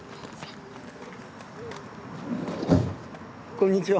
こんにちは。